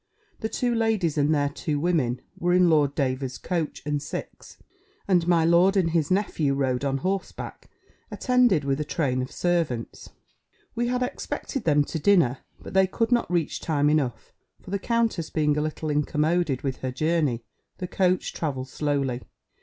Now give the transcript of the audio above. The two ladies, and their two women, were in Lord Davers's coach and six, and my lord and his nephew rode on horseback, attended with a train of servants. We had expected them to dinner; but they could not reach time enough; for the countess being a little incommoded with her journey, the coach travelled slowly.